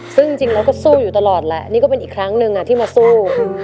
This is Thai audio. ซึ่งจริงเราก็สู้อยู่ตลอดแหละนี่ก็เป็นอีกครั้งหนึ่งที่มาสู้